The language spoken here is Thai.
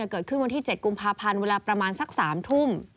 เกิดขึ้นวันที่๗กุมภาพันธ์เวลาประมาณสัก๓ทุ่ม